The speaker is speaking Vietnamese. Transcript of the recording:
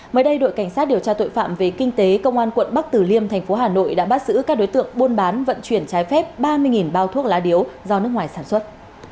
mới đây đội cảnh sát điều tra tội phạm về kinh tế công an quận bắc tử liêm thành phố hà nội đã bắt giữ các đối tượng buôn bán vận chuyển trái phép ba mươi bao thuốc lá điếu do nước ngoài sản xuất